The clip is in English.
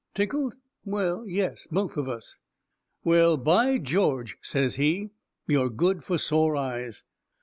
Tickled? Well, yes! Both of us. "Well, by George," says he, "you're good for sore eyes."